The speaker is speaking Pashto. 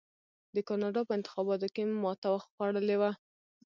د کاناډا په انتخاباتو کې ماته خوړلې وه.